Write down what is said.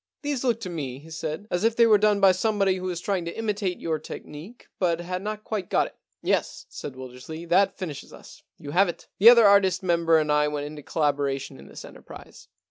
* These look to me/ he said, * as if they were done by somebody who was trying to imitate your technique but had not quite got it/ * Yes/ said Wildersley, * that finishes us. You have it. The other artist member and I went into collaboration in this enterprise.